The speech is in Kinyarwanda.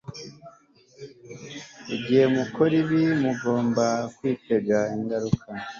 Igihe mukora ibyo mugomba kwitega ingaruka